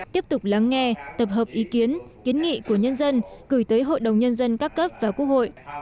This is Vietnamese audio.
tiếp tục lắng nghe tập hợp ý kiến kiến nghị của nhân dân gửi tới hội đồng nhân dân các cấp và quốc hội